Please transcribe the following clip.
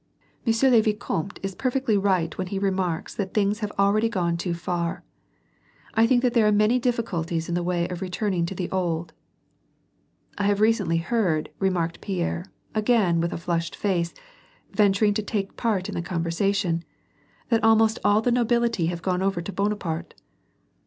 Mmisieur le vicamte is perfectly right when he remarks that things have already gone too far. I think that there are many difficulties in the way of returning to the old." "I have recently heard" remarked Pierre, again, with a flushed face, venturing to take part in the conversation^ '^ that almost all the nobility have gone over to Bonaparte."